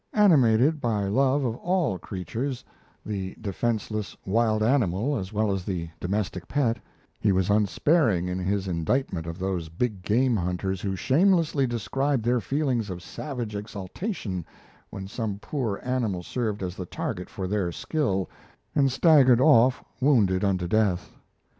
Animated by love for all creatures, the defenceless wild animal as well as the domestic pet, he was unsparing in his indictment of those big game hunters who shamelessly described their feelings of savage exultation when some poor animal served as the target for their skill, and staggered off wounded unto death.